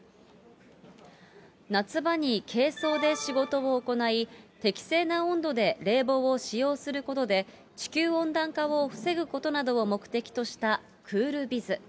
夏場に軽装で仕事を行い、適正な温度で冷房を使用することで、地球温暖化を防ぐことなどを目的としたクールビズ。